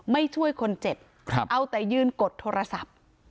ไม่ช่วยคนเจ็บเอาแต่ยืนกดโทรศัพท์